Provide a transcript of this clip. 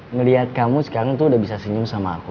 ngelihat kamu sekarang tuh udah bisa senyum sama aku